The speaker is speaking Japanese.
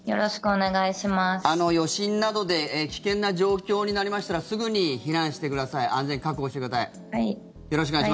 余震などで危険な状況になりましたらすぐに避難してください。